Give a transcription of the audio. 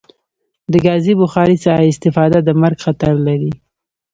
د کازی بخاری څخه استفاده د مرګ خطر لری